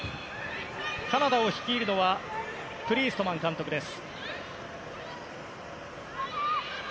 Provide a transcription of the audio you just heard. カナダを率いるのはプリーストマン監督です。